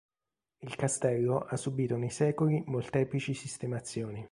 Il castello ha subito nei secoli molteplici sistemazioni.